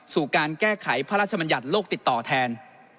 สู่การแก้ไขพระราชมัญญัติโลกติดต่อแทน